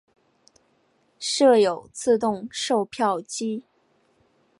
设有自动售票机。